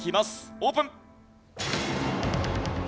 オープン。